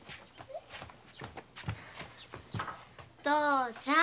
父ちゃん！